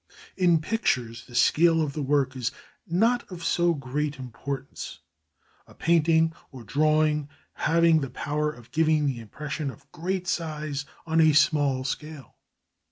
In pictures the scale of the work is not of so great importance, a painting or drawing having the power of giving the impression of great size on a small scale.